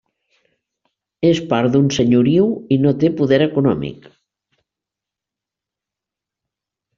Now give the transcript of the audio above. És part d'un senyoriu i no té poder econòmic.